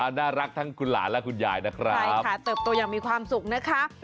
น่ารักทั้งคุณหลานและคุณยายนะครับใช่ค่ะเติบโตอย่างมีความสุขนะคะ